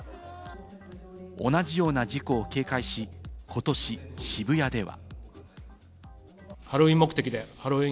同じような事故を警戒し、ことし渋谷では。